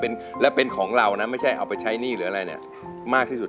เพลงของคุณมนต์แคนแกนคูร